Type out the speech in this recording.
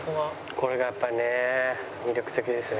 これがやっぱりね魅力的ですね。